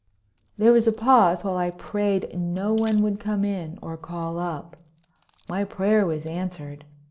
There was a pause while I prayed no one would come in or call up. My prayer was answered.